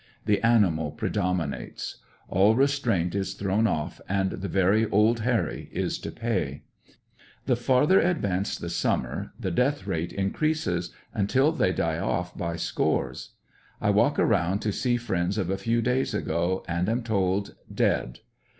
The animal predominates. All restraint is thrown off and the very Old Harrj^ is to pay. The farther advanced the sum mer, the death rate increases, until they die off by scores. I walk around to see friends of a few days ago and am told "dead.